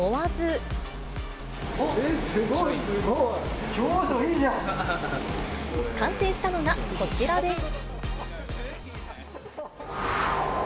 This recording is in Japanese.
すごい、完成したのがこちらです。